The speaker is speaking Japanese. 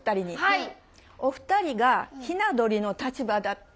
はい。